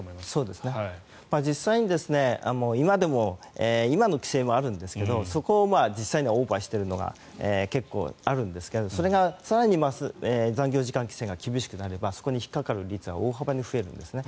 実際に今の規制もあるんですがそこを実際にはオーバーしているのが結構あるんですけどそれが更に残業時間規制が厳しくなればそこに引っかかる率が大幅に増えるんですね。